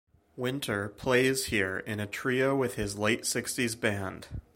Winter plays here in a trio with his late-sixties band.